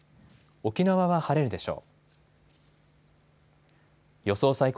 沖縄は晴れるでしょう。